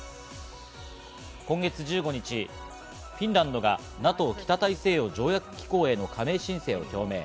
今月１５日、フィンランドがＮＡＴＯ＝北大西洋条約機構への加盟申請を表明。